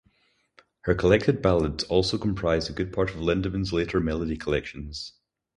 Her collected ballads also comprised a good part of Lindeman's later melody collections.